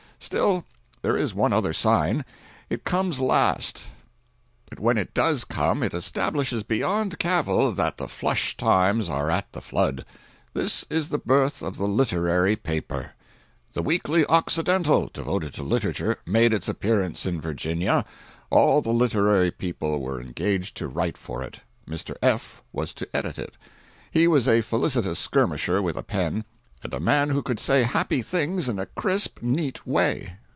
Still, there is one other sign; it comes last, but when it does come it establishes beyond cavil that the "flush times" are at the flood. This is the birth of the "literary" paper. The Weekly Occidental, "devoted to literature," made its appearance in Virginia. All the literary people were engaged to write for it. Mr. F. was to edit it. He was a felicitous skirmisher with a pen, and a man who could say happy things in a crisp, neat way.